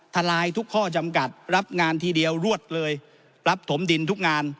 ทลายทุกข้อจำกัดรับงานทีเดียวรวดเลยรับถมดินทุกงาน